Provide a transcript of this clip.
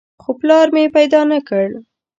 خو پلار مې پیدا نه کړ.